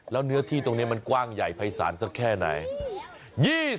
แล้วเนื้อที่ตรงนี้มันกว้างใหญ่ภัยศาลสักแค่ไหน